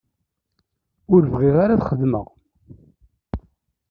Ur bɣiɣ ara ad xedmeɣ.